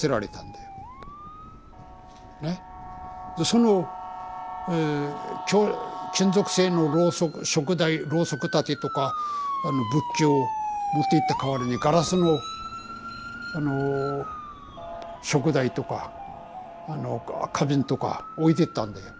その金属製のろうそくしょく台ろうそく立てとか仏器を持っていった代わりにガラスのしょく台とか花瓶とか置いてったんだよ。